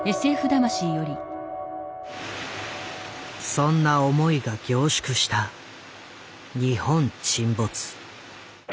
そんな思いが凝縮した「日本沈没」。